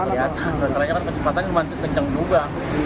gak keliatan karena kecepatannya cuma kenceng juga